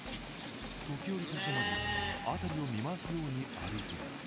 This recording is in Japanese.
時折立ち止まり辺りを見回すように歩いています。